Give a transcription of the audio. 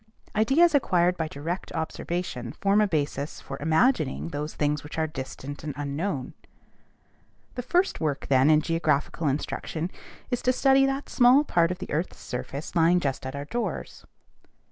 Ideas acquired by direct observation form a basis for imagining those things which are distant and unknown. The first work, then, in geographical instruction, is to study that small part of the earth's surface lying just at our doors.